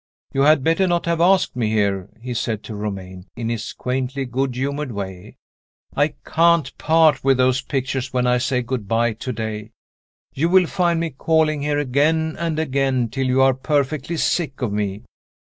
"You had better not have asked me here," he said to Romayne, in his quaintly good humored way. "I can't part with those pictures when I say good by to day. You will find me calling here again and again, till you are perfectly sick of me.